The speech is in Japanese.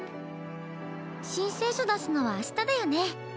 申請書出すのは明日だよね？